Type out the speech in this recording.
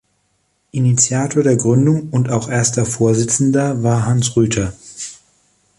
Initiator der Gründung und auch erster Vorsitzender war Hans Rüther.